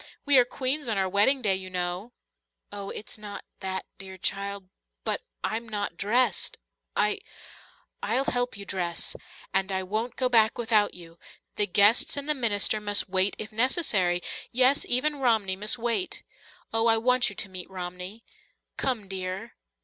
We are queens on our wedding day, you know." "Oh, it's not that, dear child but I'm not dressed I " "I'll help you dress. And I won't go back without you. The guests and the minister must wait if necessary yes, even Romney must wait. Oh, I want you to meet Romney. Come, dear."